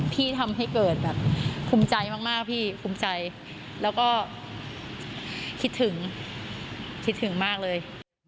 ที่ทำให้เกิดแบบคุ้มใจมากพี่คุ้มใจแล้วก็คิดถึงคิดถึงมากเลย